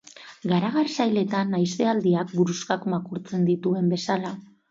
Garagar sailetan haizealdiak buruxkak makurtzen dituen bezala.